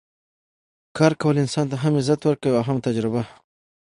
کار کول انسان ته هم عزت ورکوي او هم تجربه